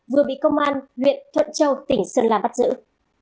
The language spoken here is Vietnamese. vừa bị công an huyện thuận châu tỉnh sơn la bắt giữ